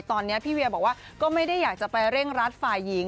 ตอนนี้พี่เวียบอกว่าก็ไม่ได้อยากจะไปเร่งรัดฝ่ายหญิง